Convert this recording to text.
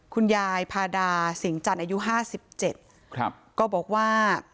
คุณยายพาดาสิงห์จันทร์อายุห้าสิบเจ็ดครับก็บอกว่า